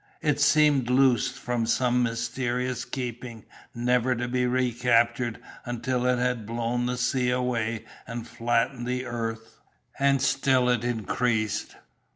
It seemed loosed from some mysterious keeping never to be recaptured until it had blown the sea away and flattened the earth. And still it increased.